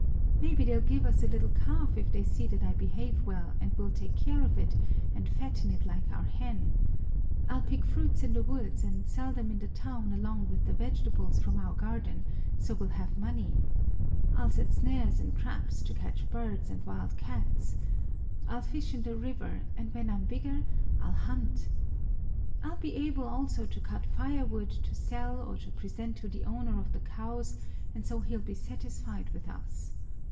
Maybe they'll give us a little calf if they see that I behave well and we'll take care of it and fatten it like our hen. I'll pick fruits in the woods and sell them in the town along with the vegetables from our garden, so we'll have money. I'll set snares and traps to catch birds and wild cats, I'll fish in the river, and when I'm bigger, I'll hunt. I'll be able also to cut firewood to sell or to present to the owner of the cows, and so he'll be satisfied with us.